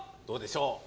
どうでしょう？